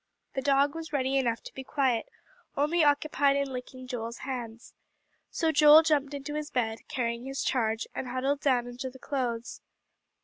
The dog was ready enough to be quiet, only occupied in licking Joel's hands. So Joel jumped into his bed, carrying his charge, and huddled down under the clothes.